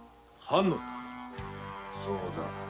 そうだ。